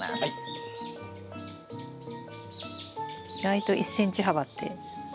意外と１ｃｍ幅って狭いです。